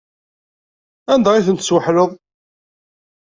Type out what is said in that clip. Anda ay ten-tesweḥleḍ?